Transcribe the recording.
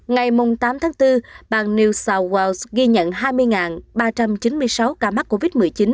ngày tám tháng bốn bang new south wales ghi nhận hai mươi ba trăm chín mươi sáu ca mắc covid một mươi chín